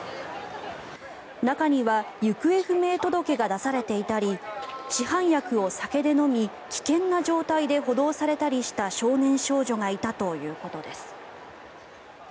中には行方不明者届が出されていたり市販薬を酒で飲み、危険な状態で補導されたりした少年少女がいたということです。